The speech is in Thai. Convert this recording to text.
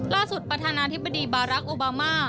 ประธานาธิบดีบารักษ์โอบามา